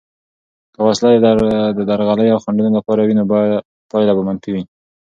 که وسله د درغلي او خنډونو لپاره وي، نو پایله به منفي وي.